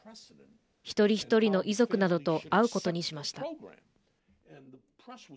一人一人の遺族などと会うことにしました。